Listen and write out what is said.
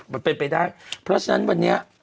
มันเป็นไปได้เพราะฉะนั้นวันนี้